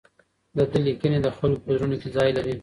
د ده لیکنې د خلکو په زړونو کې ځای لري.